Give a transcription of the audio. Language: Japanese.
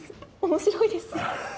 面白いです